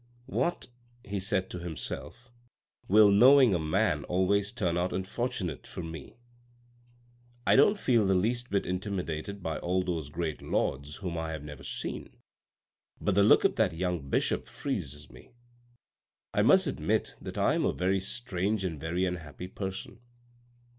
" What !" he said to himself, " will knowing a man always turn out unfortunate for me ? I don't feel the least bit intimidated by all those great lords whom I have never seen, but the look of that young bishop freezes me. I must admit that I am a very strange and very unhappy person."